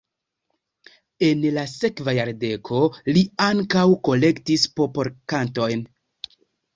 En la sekva jardeko li ankaŭ kolektis popolkantojn.